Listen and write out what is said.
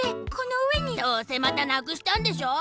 どうせまたなくしたんでしょ？